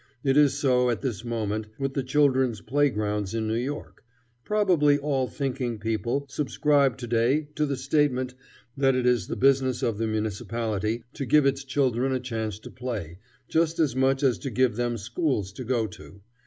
It is so, at this moment, with the children's playgrounds in New York. Probably all thinking people subscribe to day to the statement that it is the business of the municipality to give its children a chance to play, just as much as to give them schools to go to.